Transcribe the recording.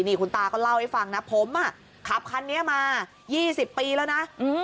นี่คุณตาก็เล่าให้ฟังนะผมขับคันนี้มา๒๐ปีแล้วนะ